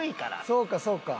そうかそうか。